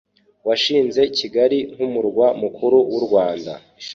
washinze Kigali nk'umurwa mukuru w'u Rwanda.